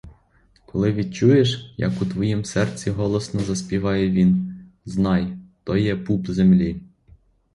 Коли відчуєш, як у твоїм серці голосно заспіває він, — знай: то є пуп землі!